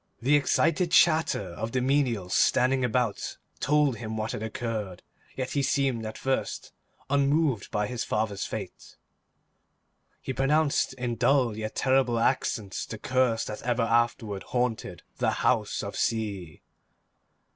The excited chatter of the menials standing about told him what had occurred, yet he seemed at first unmoved at his father's fate. Then, slowly advancing to meet the Comte, he pronounced in dull yet terrible accents the curse that ever afterward haunted the house of C——.